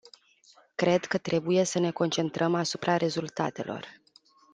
Cred că trebuie să ne concentrăm asupra rezultatelor.